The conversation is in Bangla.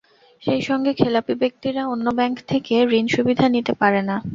সেই সঙ্গে খেলাপি ব্যক্তিরা অন্য ব্যাংক থেকে ঋণসুবিধা নিতে পারে না।